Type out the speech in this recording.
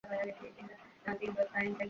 Student record থেকে তার নম্বর পেতে পারি আমরা।